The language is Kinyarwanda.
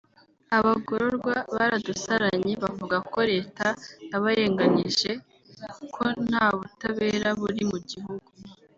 abagororwa baradusaranye bavuga ko Leta yabarenganije ko ntabutabera buri mu gihugu